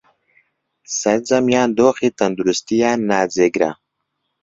سەرجەمیان دۆخی تەندروستییان ناجێگرە